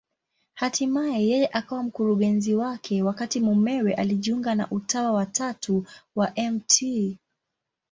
Hatimaye yeye akawa mkurugenzi wake, wakati mumewe alijiunga na Utawa wa Tatu wa Mt.